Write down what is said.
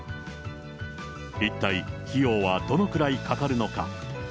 一体費用はどのくらいかかるのか。